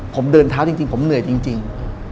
ผมเดินเท้าจริงผมเหนื่อยจริง